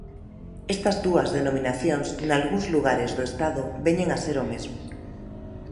Estas dúas denominacións nalgúns lugares do Estado veñen a ser o mesmo.